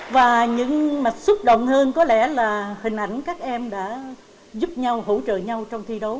và những mạch xúc động hơn có lẽ là hình ảnh các em đã giúp nhau hỗ trợ nhau trong thi đấu